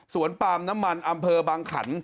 ปาล์มน้ำมันอำเภอบางขัน